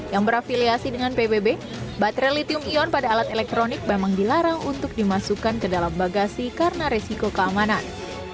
yang berafiliasi dengan pbb baterai litium ion pada alat elektronik memang dilarang untuk dimasukkan ke dalam bagasi karena resiko keamanan